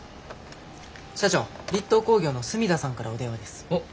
社長栗東工業の住田さんからお電話です。